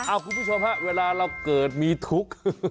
อ้าวคุณผู้ชมครับเวลาเราเกิดมีทุกข์